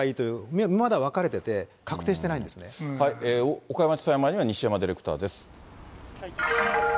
今までは分かれてて、確定してな岡山地裁前には、西山ディレクターです。